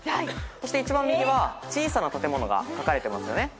そして一番右は小さな建物が描かれてますよね。